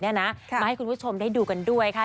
มาให้คุณผู้ชมได้ดูกันด้วยค่ะ